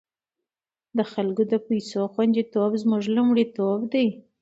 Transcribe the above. د خلکو د پيسو خوندیتوب زموږ لومړیتوب دی۔